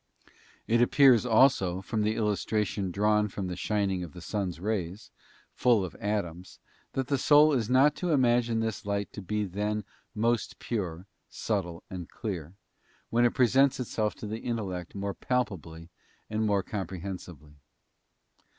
It appears, also, from the illustration drawn from the shining of the sun's rays, full of atoms, that the soul is not to imagine this light to be then most pure, subtile, and clear, when it presents itself to the intellect more palpably and more comprehensibly.